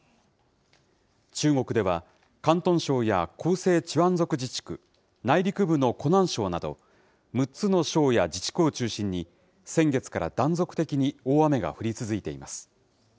中国では、広東省や広西チワン族自治区、内陸部の湖南省など、６つの省や自治区を中心に、先月から断続的に大雨が降り続いています。